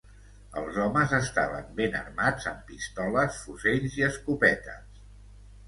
Els homes estaven ben armats amb pistoles, fusells i escopetes.